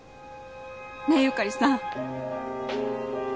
ねえ由香利さん。